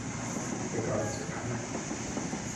The guards are coming.